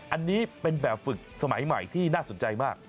อันนี้เป็นแบบฝึกสมัยใหม่ที่น่าสนใจมาก